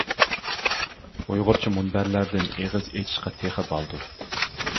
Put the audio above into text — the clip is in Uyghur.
ئۇيغۇرچە مۇنبەرلەردىن ئېغىز ئېچىشقا تېخى بالدۇر.